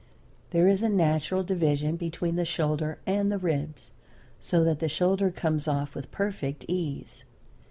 There is a natural division between the shoulder and the ribs, so that the shoulder comes off with perfect ease.